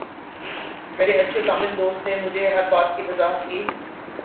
میرے اچھے تامل دوست نے مجھے ہر بات کی وضاحت کی